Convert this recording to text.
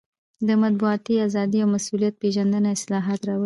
د مطبوعاتو ازادي او مسوولیت پېژندنه اصلاحات راولي.